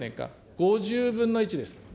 ５０分の１です。